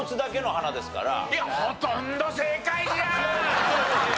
いやほとんど正解じゃん。